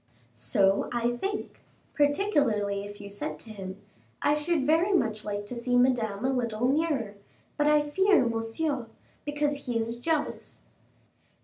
"So I think, particularly if you said to him: 'I should very much like to see Madame a little nearer, but I fear Monsieur, because he is jealous.